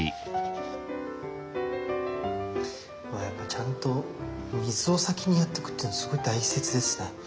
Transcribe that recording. やっぱちゃんと水を先にやっておくっていうのすごい大切ですね。